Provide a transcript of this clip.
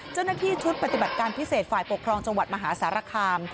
เจ้าหน้าที่ชุดปฏิบัติการพิเศษฝ่ายปกครองจังหวัดมหาสารคาม